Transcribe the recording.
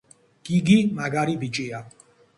გიგი მაგარი ბიჭია